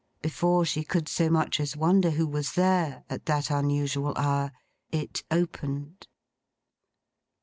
Before she could so much as wonder who was there, at that unusual hour, it opened.